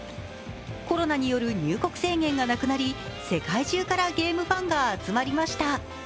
コロナによる入国制限がなくなり、世界中からゲームファンが集まりました。